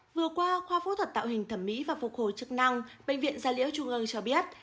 vừa qua khoa phẫu thuật tạo hình thẩm mỹ và phục hồi chức năng bệnh viện gia liễu trung ương cho biết